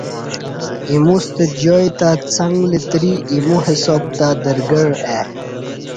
ایموستہ جائی تہ څنݣ لتری ایمو حساب تہ درگݩع ای